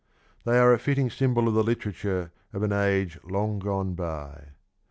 They are a fitting symbol of the literature of an age long gone by.